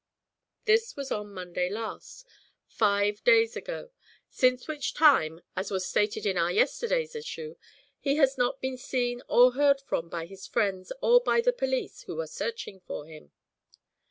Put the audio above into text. This was on Monday last, five days ago, since which time, as was stated in our yesterday's issue, he has not been seen or heard from by his friends or by the police, who are searching for him.